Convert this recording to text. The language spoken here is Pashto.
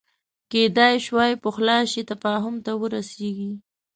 کېدای شوای پخلا شي تفاهم ته ورسېږي